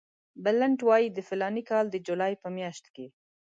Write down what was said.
بلنټ وایي د فلاني کال د جولای په میاشت کې.